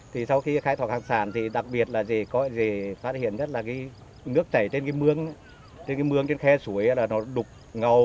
thì sau khi khai thoạc hàng sản thì đặc biệt là có gì phát hiện nhất là cái nước chảy trên cái mương trên cái mương trên khe suối là nó đục ngầu